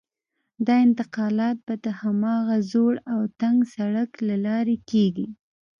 دا انتقالات به د هماغه زوړ او تنګ سړک له لارې کېږي.